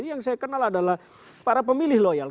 yang saya kenal adalah para pemilih loyal